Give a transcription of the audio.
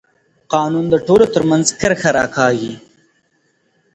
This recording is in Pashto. قانون د ټولو ترمنځ کرښه راکاږي